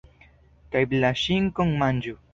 Kaj la ŝinkon manĝu.